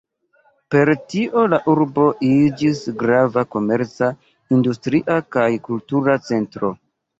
Per tio la urbo iĝis grava komerca, industria kaj kultura centro.